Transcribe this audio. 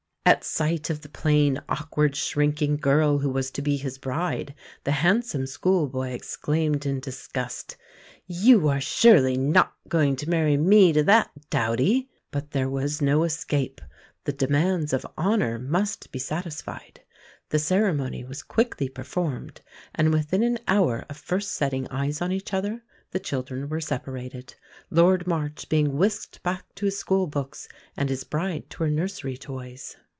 At sight of the plain, awkward, shrinking girl who was to be his bride the handsome school boy exclaimed in disgust, "You are surely not going to marry me to that dowdy!" But there was no escape; the demands of "honour" must be satisfied. The ceremony was quickly performed; and within an hour of first setting eyes on each other, the children were separated Lord March being whisked back to his school books, and his bride to her nursery toys.